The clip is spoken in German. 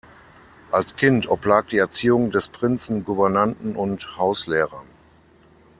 Als Kind oblag die Erziehung des Prinzen Gouvernanten und Hauslehrern.